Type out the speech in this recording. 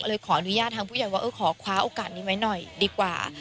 เลยขออนุญาตทางผู้ใหญ่ว่าเออขอคว้าโอกาสนี้ไว้หน่อยดีกว่า